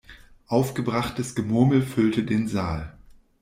Aufgebrachtes Gemurmel füllte den Saal.